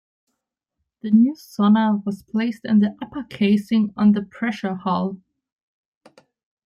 The new sonar was placed in the upper casing on the pressure hull.